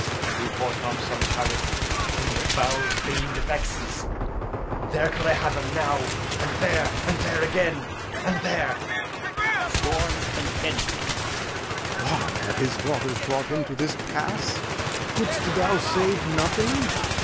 Do poor Tom some charity, whom the foul fiend vexes. There could I have him now and there and there again and there! Storm still. Lear. What, have his daughters brought him to this pass? Couldst thou save nothing?